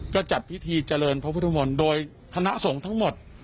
ก็จัดพิธีเจริญพระพุทธมนต์โดยคณะสงฆ์ทั้งหมด